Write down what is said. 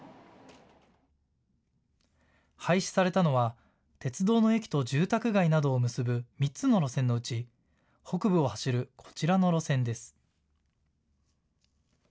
廃止されたのは鉄道の駅と住宅街などを結ぶ３つの路線のうち北部を走るこちらの路線です。